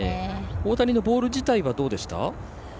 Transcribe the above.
大谷のボール自体はどうでした？